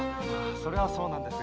それはそうなんですが。